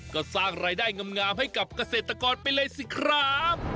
ก็สร้างรายได้งามให้กับเกษตรกรไปเลยสิครับ